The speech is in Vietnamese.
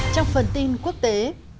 trong phần tin quốc tế